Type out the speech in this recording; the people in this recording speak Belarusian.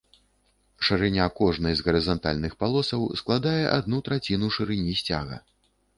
Шырыня кожнай з гарызантальных палосаў складае адну траціну шырыні сцяга.